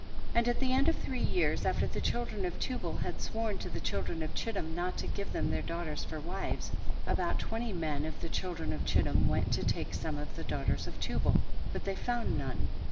7. And at the end of three years after the children of Tubal had sworn to the children of Chittim not to give them their daughters for wives, about twenty men of the children of Chit tim went to take some of the daugh ters of Tubal, but they found none.